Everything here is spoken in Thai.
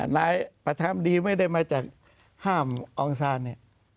นายประธามดีไม่ได้มาจากห้ามอองซานเนี่ย